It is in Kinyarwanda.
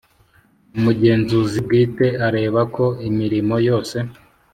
Umugenzuzi bwite areba ko imirimo yose